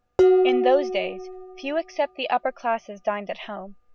In those days, few except the upper classes dined at home.